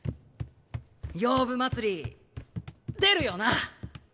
「洋舞祭り」出るよな？